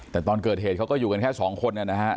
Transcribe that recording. แต่ตอนเกิดเหตุเขาก็อยู่กันแค่สองคนนะฮะ